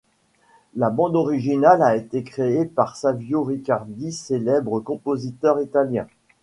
La bande originale a été créée par Savio Riccardi, célèbre compositeur italien.